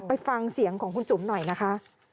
ไปฟังเสียงของคุณจุ๋มหน่อยนะคะ